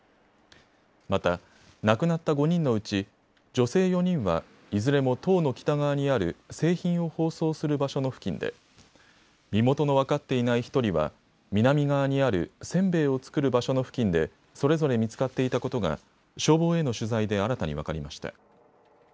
また、亡くなった５人のうち女性４人は、いずれも棟の北側にある製品を包装する場所の付近で身元の分かっていない１人は南側にあるせんべいを作る場所の付近でそれぞれ見つかっていたことが消防への取材で新たに分かりました。